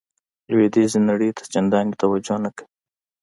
لویدیځې نړۍ ته چندانې توجه نه کوي.